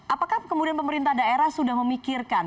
apakah kemudian pemerintah daerah sudah memikirkan